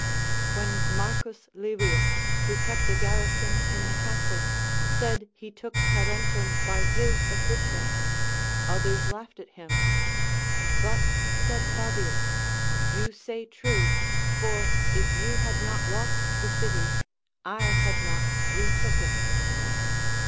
When M. Livius, who kept a garrison in the castle, said he took Tarentum by his assistance, others laughed at him ; but said Fabius, You say true, for if you had not lost the city, I had not re took it.